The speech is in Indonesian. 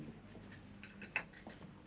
beberapa kali kami menerima perangkapnya